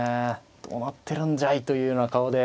どうなってるんじゃいというような顔で。